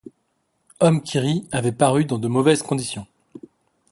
Homme qui Rit avait paru dans de mauvaises conditions.